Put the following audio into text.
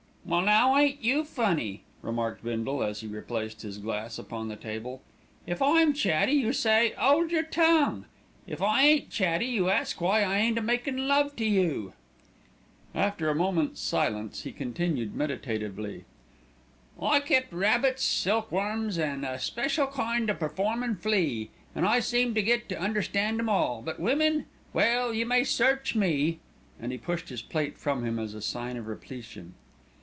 "Well, now, ain't you funny!" remarked Bindle, as he replaced his glass upon the table. "If I'm chatty, you say, ''Old your tongue!' If I ain't chatty, you ask why I ain't a makin' love to you." After a moment's silence he continued meditatively: "I kept rabbits, silkworms, an' a special kind o' performin' flea, an' I seemed to get to understand 'em all; but women well, you may search me!" and he pushed his plate from him as a sign of repletion.